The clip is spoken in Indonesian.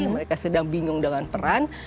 mereka sedang bingung dengan peran